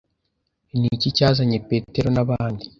Ni iki cyazanye Petero n'abandi